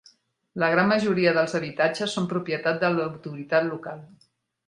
La gran majoria dels habitatges són propietat de l'autoritat local.